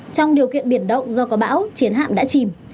trong điều kiện biển động do có bão chiến hạm đã chìm